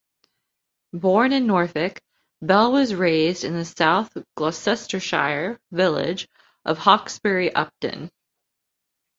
Born in Norfolk, Bell was raised in the South Gloucestershire village of Hawkesbury Upton.